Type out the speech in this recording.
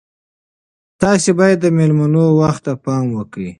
تاسي باید د میلمنو وخت ته پام وکړئ.